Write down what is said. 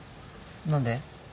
何で？